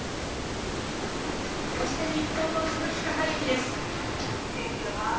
そして日本の鈴木孝幸です。